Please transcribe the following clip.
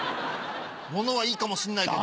物はいいかもしんないけど。